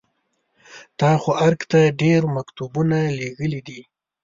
تا خو ارګ ته ډېر مکتوبونه لېږلي دي.